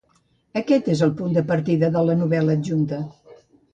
Aquest és el punt de partida de la novel·la adjunta.